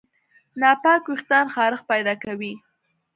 ناپاک وېښتيان خارښت پیدا کوي.